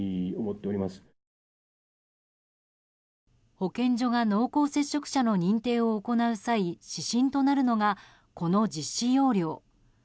保健所が濃厚接触者の認定を行う際指針となるのが、この実施要領。